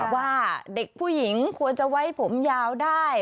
ว่าเด็กผู้หญิงควรจะไว้ผมยาวได้